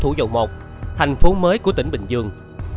phố thủ dầu mộc thành phố mới của tỉnh bình dương